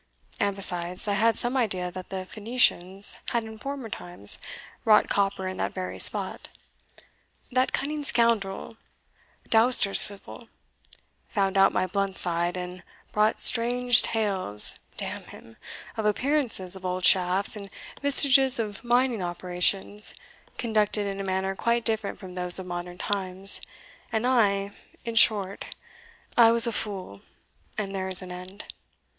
And besides, I had some idea that the Phoenicians had in former times wrought copper in that very spot. That cunning scoundrel, Dousterswivel, found out my blunt side, and brought strange tales (d n him) of appearances of old shafts, and vestiges of mining operations, conducted in a manner quite different from those of modern times; and I in short, I was a fool, and there is an end.